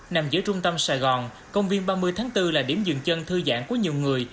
nằm giữa trung tâm sài gòn công viên ba mươi tháng bốn là điểm dừng chân thư giãn của nhiều người